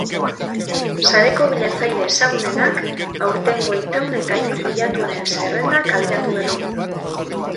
Sareko bilatzaile ezagunenak aurtengo itaun eta hitz bilatuenen zerrenda kaleratu berri du.